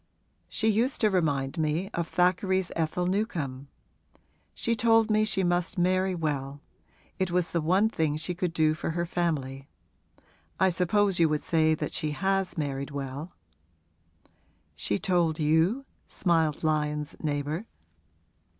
She used to remind me of Thackeray's Ethel Newcome. She told me she must marry well: it was the one thing she could do for her family. I suppose you would say that she has married well.' 'She told you?' smiled Lyon's neighbour.